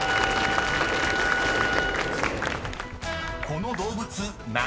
［この動物何？］